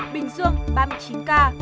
bình dương ba mươi chín ca